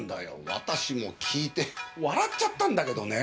私も聞いて笑っちゃったんだけどね